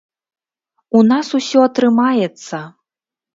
У нас усё атрымаецца!